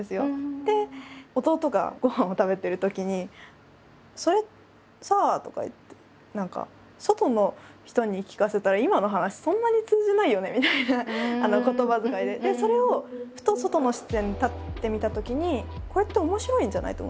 で弟がごはんを食べてるときに「それさあ」とか言って何か「外の人に聞かせたら今の話そんなに通じないよね」みたいな言葉遣いでそれをふと外の視点に立ってみたときに「これって面白いんじゃない？」と思って。